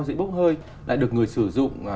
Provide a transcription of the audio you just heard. dễ bốc hơi lại được người sử dụng